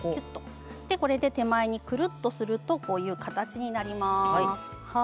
これで手前に、くるっとするとこういう形になります。